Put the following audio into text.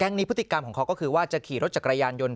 นี้พฤติกรรมของเขาก็คือว่าจะขี่รถจักรยานยนต์